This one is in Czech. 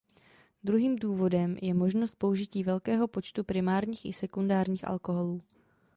Druhým důvodem je možnost použití velkého počtu primárních i sekundárních alkoholů.